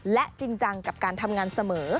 และจริงจังกับการทำงานเสมอ